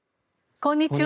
こんにちは。